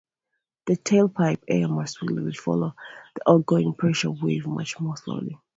The tailpipe air mass will follow the outgoing pressure wave much more slowly.